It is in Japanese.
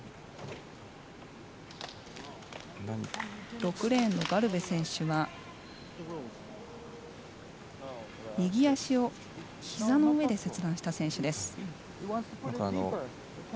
６レーンのガルベ選手は右足をひざの上で切断した選手。